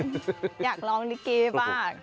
ก็เห็นเขาร้องอยากลองด้วยกรี๊อามาก